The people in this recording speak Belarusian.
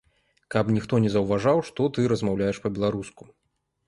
Каб ніхто не заўважаў, што ты размаўляеш па-беларуску!